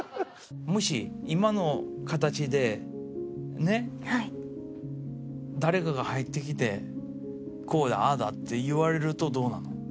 もし今の形でね誰かが入ってきてこうだああだって言われるとどうなの？